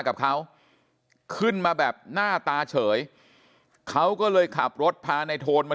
กับเขาขึ้นมาแบบหน้าตาเฉยเขาก็เลยขับรถพาในโทนมา